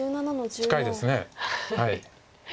近いですね。